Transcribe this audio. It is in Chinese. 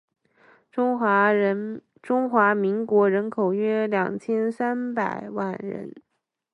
中华民国人口约二千三百万人